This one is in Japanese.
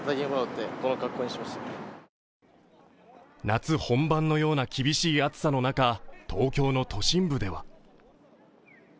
夏本番のような厳しい暑さの中東京の都心部では